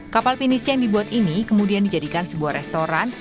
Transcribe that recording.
kapal pinisi yang dibuat ini kemudian dijadikan sebuah restoran